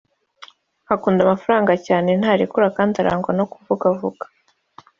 Akunda amafaranga cyane (ntarekura ) kandi arangwa no kuvugavuga